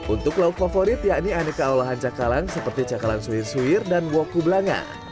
untuk lauk favorit yakni aneka olahan cakalang seperti cakalang suhir suhir dan woku belanga